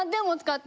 って